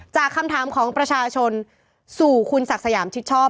จากคำถามของประชาชนสู่คุณศักดิ์สยามชิดชอบ